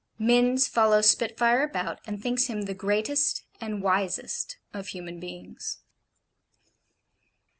Minns follows Spitfire about, and thinks him the greatest and wisest of human beings.